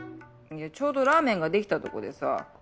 ちょうどラーメンができたとこでさ。